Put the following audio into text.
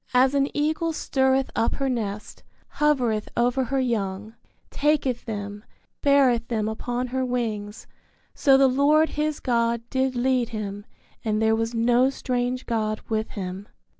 As an eagle stirreth up her nest, hovereth over her young, taketh them, beareth them upon her wings, so the Lord his God did lead him and there was no strange God with him.